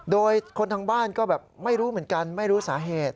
โดยคนทางบ้านก็แบบไม่รู้เหมือนกันไม่รู้สาเหตุ